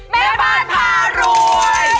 แม่พันฐารวย